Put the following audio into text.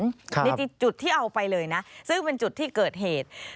นี่คือจุดที่เอาไปเลยนะซึ่งเป็นจุดที่เกิดเหตุ